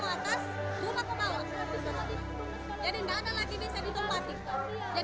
mana ke atas